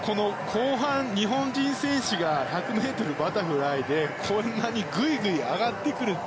後半、日本人選手が１００ｍバタフライでこんなにぐいぐい上がってくる。